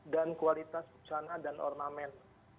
dan kualitas busana dan ornamen